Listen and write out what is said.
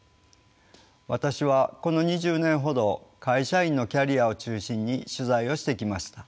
私はこの２０年ほど会社員のキャリアを中心に取材をしてきました。